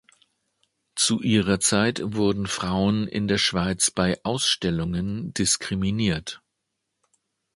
Zu ihrer Zeit wurden Frauen in der Schweiz bei Ausstellungen diskriminiert.